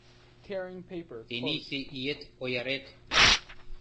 Тенийсе иет оярет